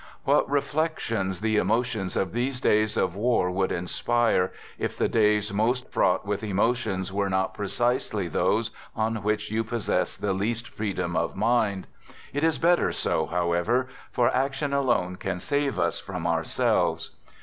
What reflections the emotions of these days of war would inspire, if the days most fraught with emotions were not precisely those on which you possess the least freedom of mind ! It is better so, however, for action alone can save us from ourselves.